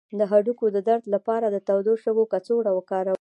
د هډوکو د درد لپاره د تودو شګو کڅوړه وکاروئ